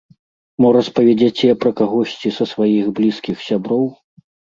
Мо распаведзяце пра кагосьці са сваіх блізкіх сяброў?